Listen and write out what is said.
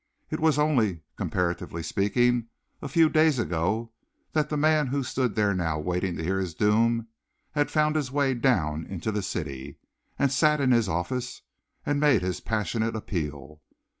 It was only, comparatively speaking, a few days ago that the man who stood there now waiting to hear his doom had found his way down into the city, and sat in his office, and made his passionate appeal.